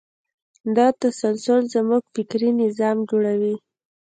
دا تسلسل زموږ فکري نظام جوړوي.